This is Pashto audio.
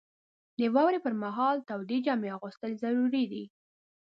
• د واورې پر مهال تودې جامې اغوستل ضروري دي.